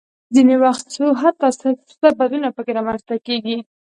ځینې وخت خو حتی ستر بدلونونه پکې رامنځته کېږي.